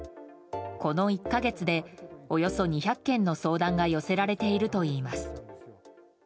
この１か月でおよそ２００件の相談が寄せられているといいます。